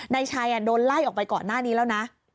นายชัยโดนไล่ออกไปก่อนหน้านี้แล้วนะ